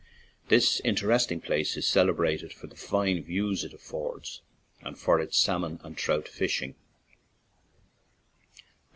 This interesting place is celebrated for the fine views it affords and for its salmon and trout fishing.